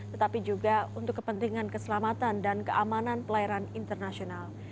tetapi juga untuk kepentingan keselamatan dan keamanan pelayaran internasional